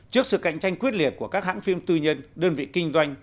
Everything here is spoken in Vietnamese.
trước sự cạnh tranh quyết liệt của các hãng phim tư nhân đơn vị kinh doanh